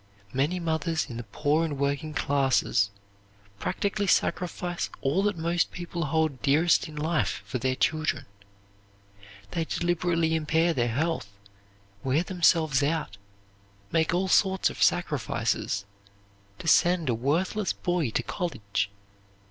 Many mothers in the poor and working classes practically sacrifice all that most people hold dearest in life for their children. They deliberately impair their health, wear themselves out, make all sorts of sacrifices, to send a worthless boy to college.